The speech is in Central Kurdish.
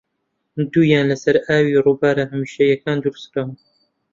دوویان لەسەر ئاوی رووبارە هەمیشەییەکان دروستکراون